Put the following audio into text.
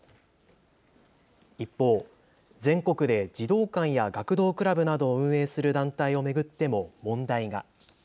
一方、全国で児童館や学童クラブなどを運営する団体を巡っても問題が。